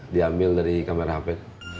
diambil dari kamera hape